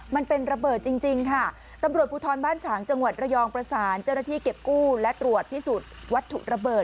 มันเป็นระเบิดจริงจริงค่ะตำรวจภูทรบ้านฉางจังหวัดระยองประสานเจ้าหน้าที่เก็บกู้และตรวจพิสูจน์วัตถุระเบิด